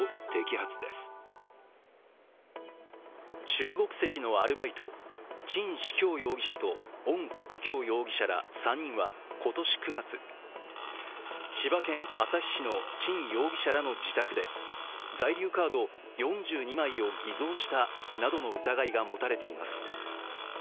中国籍のアルバイト・沈志強容疑者と温国強容疑者は今年９月、千葉県旭市の沈容疑者らの自宅で在留カード４２枚を偽造したなどの疑いが持たれています。